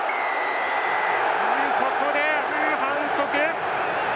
ここで反則。